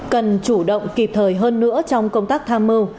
cần chủ động kịp thời hơn nữa trong công tác tham mưu